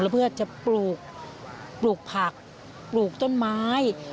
เพื่อจะปลูกผักปลูกต้นไม้